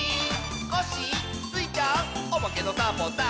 「コッシースイちゃんおまけのサボさん」